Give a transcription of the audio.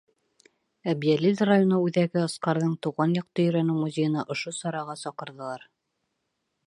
Әбйәлил районы үҙәге Асҡарҙың тыуған яҡты өйрәнеү музейына ошо сараға саҡырҙылар.